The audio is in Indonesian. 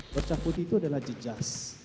bercah putih itu adalah jejaz